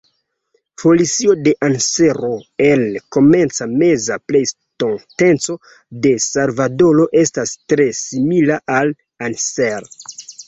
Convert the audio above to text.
Fosilio de ansero el Komenca-Meza Pleistoceno de Salvadoro estas tre simila al "Anser".